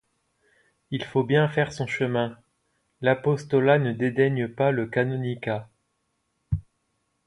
Il faut bien faire son chemin ; l’apostolat ne dédaigne pas le canonicat.